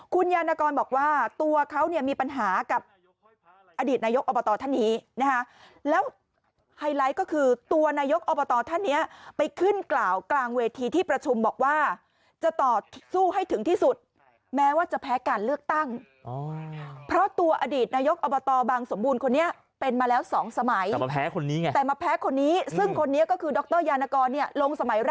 คุณยานกรบอกว่าตัวเขาเนี่ยมีปัญหากับอดีตนายกอบตท่านนี้นะคะแล้วไฮไลท์ก็คือตัวนายกอบตท่านเนี่ยไปขึ้นกล่าวกลางเวทีที่ประชุมบอกว่าจะต่อสู้ให้ถึงที่สุดแม้ว่าจะแพ้การเลือกตั้งเพราะตัวอดีตนายกอบตบางสมบูรณ์คนนี้เป็นมาแล้วสองสมัยแต่มาแพ้คนนี้ซึ่งคนนี้ก็คือดรยานกรเนี่ยลงสมัยร